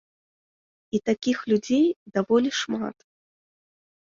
І такіх людзей даволі шмат.